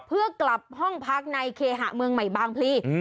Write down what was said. เพื่อกลับห้องพักในเคหะเมืองใหม่บางพลี